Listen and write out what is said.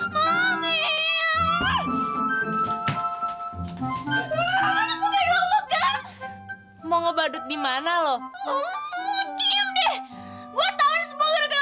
terima kasih buat yang nunggu semuanya